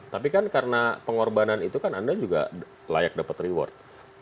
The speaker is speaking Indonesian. tapi kan karena pengorbanan itu kan anda juga layak dapat reward